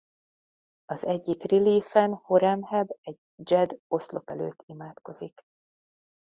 Az egyik reliefen Horemheb egy dzsed-oszlop előtt imádkozik.